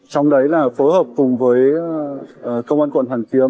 trong đấy là phối hợp cùng với công an quận hoàn kiếm